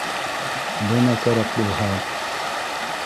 — Бына кәрәк булһа!